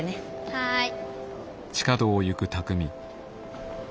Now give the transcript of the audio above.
はい。